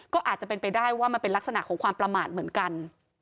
ก็อาจจะเป็นไปได้ว่ามันเป็นลักษณะของความประมาทเหมือนกัน